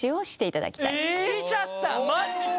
マジか。